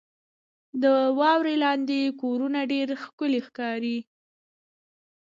• د واورې لاندې کورونه ډېر ښکلي ښکاري.